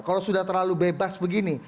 kalau sudah terlalu bebas begini